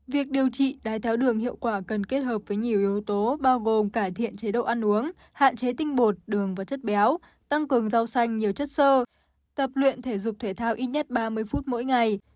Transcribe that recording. việc điều trị đái tháo đường hiệu quả cần kết hợp với nhiều yếu tố bao gồm cải thiện chế độ ăn uống hạn chế tinh bột đường và chất béo tăng cường rau xanh nhiều chất sơ tập luyện thể dục thể thao ít nhất ba mươi phút mỗi ngày